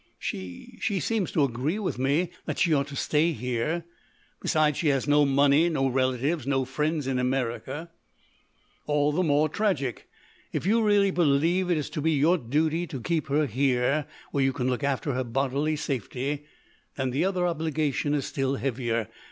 "She—she seems to agree with me that she ought to stay here.... Besides, she has no money, no relatives, no friends in America——" "All the more tragic. If you really believe it to be your duty to keep her here where you can look after her bodily safety, then the other obligation is still heavier.